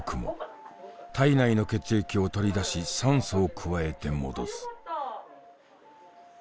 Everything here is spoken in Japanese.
体内の血液を取り出し酸素を加えて戻す。